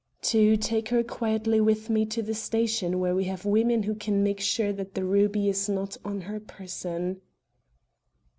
"To take her quietly with me to the station, where we have women who can make sure that the ruby is not on her person."